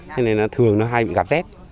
thế nên là thường nó hay bị gặp rét